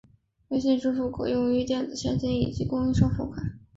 微信支付可用于电子现金以及供应商付款。